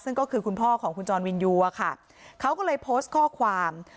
ซึ่งก็คือคุณพ่อของคุณจรวินยูอะค่ะเขาก็เลยโพสต์ข้อความ